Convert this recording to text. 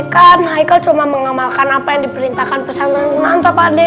kan haikal cuma mengamalkan apa yang diperintahkan pesan kunanta pak de